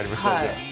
はい。